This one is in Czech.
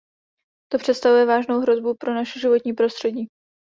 To představuje vážnou hrozbu pro naše životní prostředí.